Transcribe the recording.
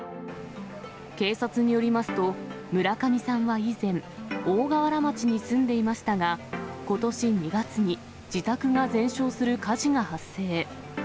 警察によりますと、村上さんは以前、大河原町に住んでいましたが、ことし２月に自宅が全焼する火事が発生。